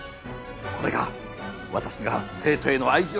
これが私が生徒への愛情あふれる。